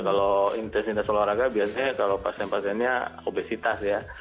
kalau intensitas olahraga biasanya kalau pasien pasiennya obesitas ya